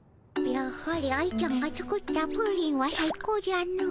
やはり愛ちゃんが作ったプリンはさい高じゃの。